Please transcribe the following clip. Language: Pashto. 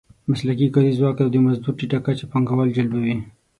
مسلکي کاري ځواک او د مزدور ټیټه کچه پانګوال جلبوي.